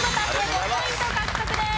５ポイント獲得です。